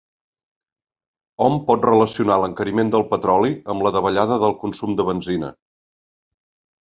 Hom pot relacionar l'encariment del petroli amb la davallada del consum de benzina.